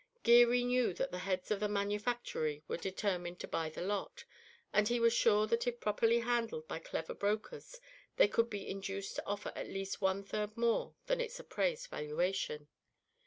Geary knew that the heads of the manufactory were determined to buy the lot, and he was sure that if properly handled by clever brokers they could be induced to offer at least one third more than its appraised valuation.